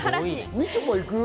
みちょぱ行く？